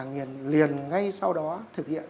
nghiền liền ngay sau đó thực hiện